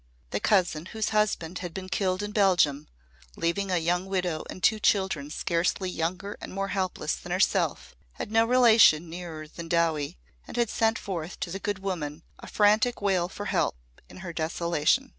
The cousin whose husband had been killed in Belgium, leaving a young widow and two children scarcely younger and more helpless than herself, had no relation nearer than Dowie, and had sent forth to the good woman a frantic wail for help in her desolation.